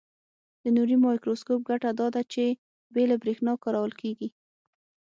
د نوري مایکروسکوپ ګټه داده چې بې له برېښنا کارول کیږي.